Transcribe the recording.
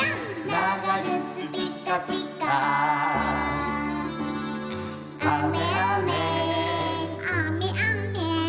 「ながぐつピッカピッカ」「あめあめ」あめあめ。